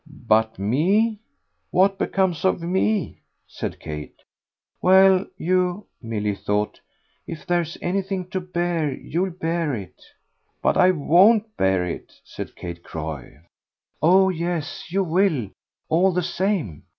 "But me? what becomes of ME?" said Kate. "Well, you" Milly thought "if there's anything to bear you'll bear it." "But I WON'T bear it!" said Kate Croy. "Oh yes you will: all the same!